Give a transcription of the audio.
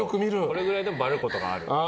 これくらいでもばれることがある。